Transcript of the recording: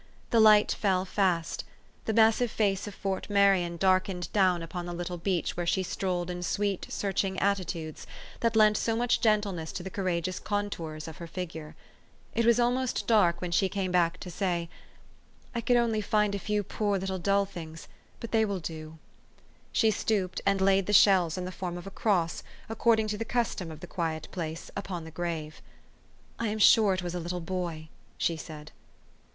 The light fell fast; the massive face of Fort Marion darkened down upon the little beach where she strolled in sweet, search ing attitudes, that lent so much gentleness to the courageous contours of her figure. It was almost dark when she came back to say, " I could only find a few poor little dull things ; but they will do." She stooped, and laid the shells in the form of a cross, according to the custom of the quiet place, upon the grave. " I am sure it was a little boy," she said.